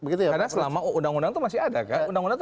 karena selama undang undang itu masih ada